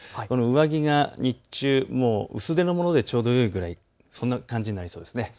上着が日中もう薄手のものでちょうどよいくらい、そんな感じになりそうです。